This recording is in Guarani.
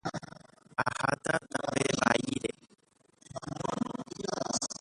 Aháta tape vaíre.